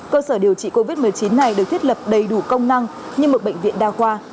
cơ sở điều trị covid một mươi chín này được thiết lập đầy đủ công năng như một bệnh viện đa khoa